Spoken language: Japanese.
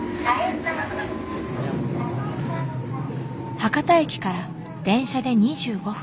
博多駅から電車で２５分。